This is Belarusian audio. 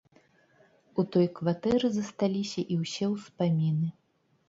У той кватэры засталіся і ўсе ўспаміны.